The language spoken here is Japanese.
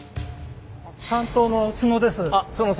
担当の津野です。